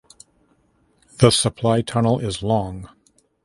The supply tunnel is long.